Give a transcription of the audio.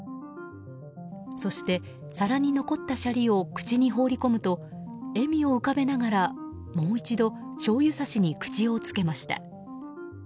そして、皿に残ったシャリを口に放り込むと笑みを浮かべながら、もう一度しょうゆ差しに口をつけました。